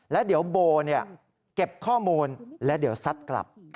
แล้วเดี๋ยวโบ้วเก็บข้อมูลแล้วสัดกลับ